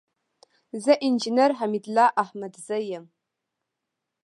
زه انجينر حميدالله احمدزى يم.